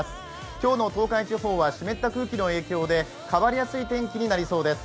今日の東海地方は湿った空気の影響で変わりやすい天気になりそうです。